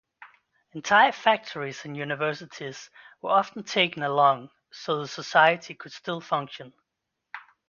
Entire factories and universities were often taken along so the society could still function.